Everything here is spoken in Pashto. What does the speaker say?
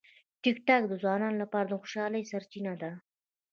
ټیکټاک د ځوانانو لپاره د خوشالۍ سرچینه ده.